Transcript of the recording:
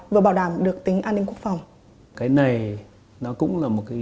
vừa bảo đảm được tính an ninh quốc phòng